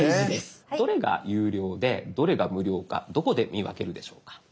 どれが有料でどれが無料かどこで見分けるでしょうか？